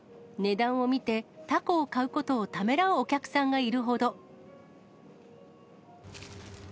値段を見て、タコを買うことをためらうお客さんがいるほど。